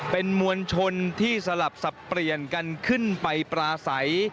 เป็นมวลชนที่สลับสับเปลี่ยนกันขึ้นไปปราศัย